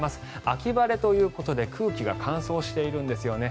秋晴れということで空気が乾燥しているんですよね。